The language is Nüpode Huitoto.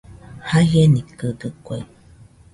Jaienikɨdɨkue